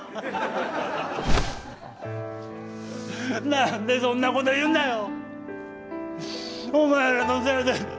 何でそんなこと言うんだよ！